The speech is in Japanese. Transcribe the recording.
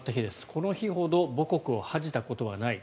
この日ほど母国を恥じたことはない。